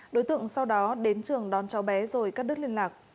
đối tượng sau đó đến trường đón cháu bé rồi cắt đứt liên lạc